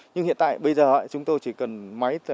nhưng hiện tại bây giờ chúng tôi chỉ cần máy làm hoàn toàn